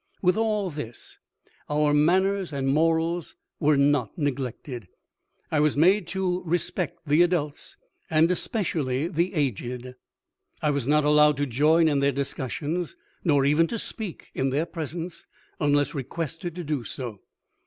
With all this, our manners and morals were not neglected. I was made to respect the adults and especially the aged. I was not allowed to join in their discussions, nor even to speak in their presence, unless requested to do so.